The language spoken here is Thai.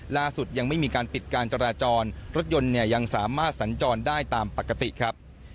ล่าสุดยังไม่มีการปิดการจราจรรถยนต์เนี่ยยังสามารถสัญจรได้ตามปกติครับ